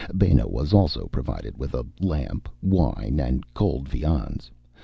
Benno was also provided with a lamp, wine, and cold viands.